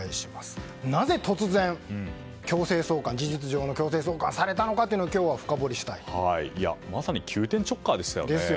なぜ突然事実上の強制送還をされたのかをまさに急転直下でしたよね。